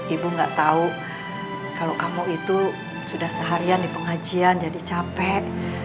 ibu gak tahu kalau kamu itu sudah seharian di pengajian jadi capek